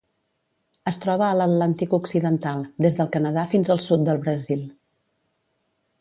Es troba a l'Atlàntic occidental: des del Canadà fins al sud del Brasil.